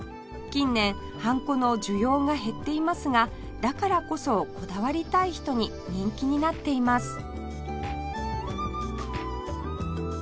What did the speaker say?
近年ハンコの需要が減っていますがだからこそこだわりたい人に人気になっています